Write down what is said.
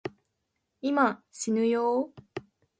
今、しぬよぉ